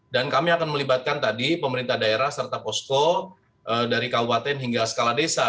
dan kami akan melibatkan tadi pemerintah daerah serta posko dari kabupaten hingga skala desa